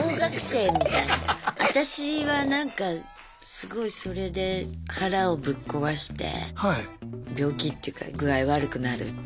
私はなんかすごいそれで腹をぶっ壊して病気っていうか具合悪くなるとか。